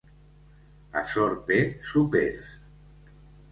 A Sorpe, sopers.